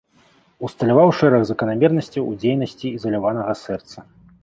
Усталяваў шэраг заканамернасцяў у дзейнасці ізаляванага сэрца.